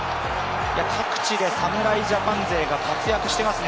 各地で侍ジャパン勢が活躍していますね。